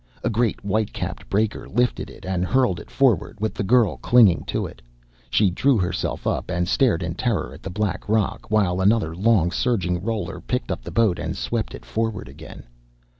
A great white capped breaker lifted it and hurled it forward, with the girl clinging to it. She drew herself up and stared in terror at the black rock, while another long surging roller picked up the boat and swept it forward again.